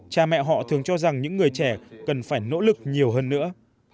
cha mẹ họ thường cho rằng những người trẻ cần phải nỗ lực nhiều hơn nữa